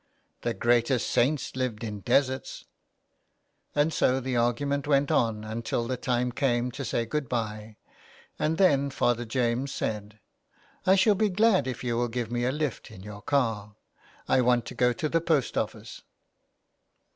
" The greatest saints lived in deserts." And so the argument went on until the time came to say good bye, and then Father James said :—" I shall be glad if you will give me a Hft on your car. I want to go to the post office."